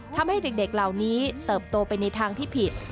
ทำให้เด็กเหล่านี้เติบโตไปในทางที่ผิด